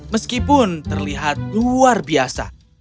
meskipun terlihat luar biasa